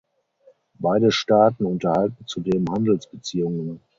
Beide Staaten unterhalten zudem Handelsbeziehungen.